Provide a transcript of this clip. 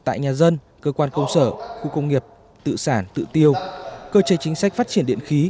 tại nhà dân cơ quan công sở khu công nghiệp tự sản tự tiêu cơ chế chính sách phát triển điện khí